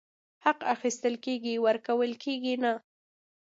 حق اخيستل کيږي، ورکول کيږي نه !!